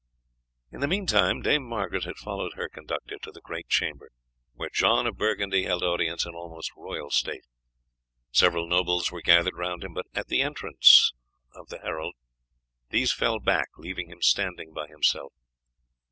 In the meantime Dame Margaret had followed her conductor to the great chamber, where John of Burgundy held audience in almost royal state. Several nobles were gathered round him, but at the entrance of the herald these fell back, leaving him standing by himself.